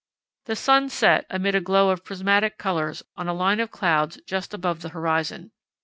The sun set amid a glow of prismatic colours on a line of clouds just above the horizon.